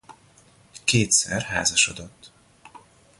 Kétszer házasodott.